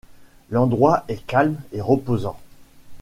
L'endroit est calme et reposant.